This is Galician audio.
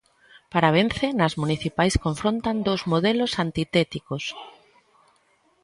Para Vence, nas municipais confrontan dous modelos antitéticos.